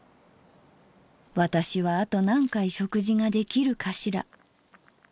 『私はあと何回食事が出来るかしら』